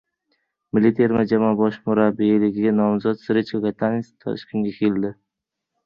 Milliy terma jamoa bosh murabbiyligiga nomzod Srechko Katanes Toshkentga keldi